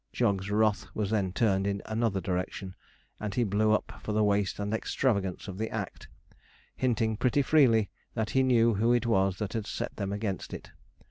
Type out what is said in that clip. Jog's wrath was then turned in another direction, and he blew up for the waste and extravagance of the act, hinting pretty freely that he knew who it was that had set them against it.